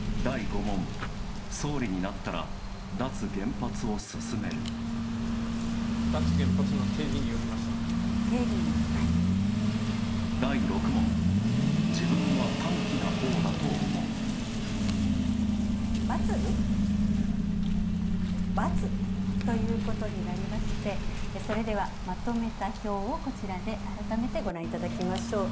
脱原発の定義によりますね。×ということになりましてそれでは、まとめた表をこちらで改めてご覧いただきましょう。